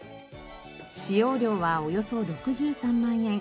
使用料はおよそ６３万円。